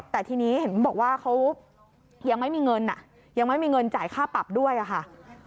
แต่ทีนี้เห็นบอกว่าเขายังไม่มีเงินยังไม่มีเงินจ่ายค่าปรับด้วยอะค่ะ